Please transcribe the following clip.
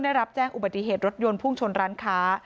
ได้รับแจ้งอุบัติเหตุรถยนต์พุ่งชนร้านค้า